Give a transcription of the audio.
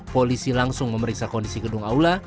polisi langsung memeriksa kondisi gedung aula